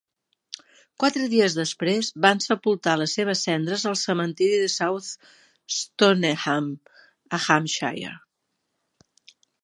Quatre dies després, van sepultar les seves cendres al cementiri de South Stoneham, a Hampshire.